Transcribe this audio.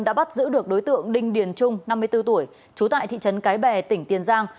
đã bắt giữ được đối tượng đinh điền trung năm mươi bốn tuổi trú tại thị trấn cái bè tỉnh tiền giang